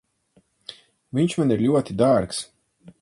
Viņš man ir ļoti dārgs.